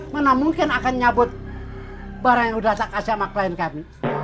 mana mungkin akan nyabut barang yang sudah kasih sama klien kami